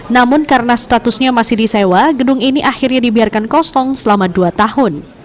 namun karena statusnya masih disewa gedung ini akhirnya dibiarkan kosong selama dua tahun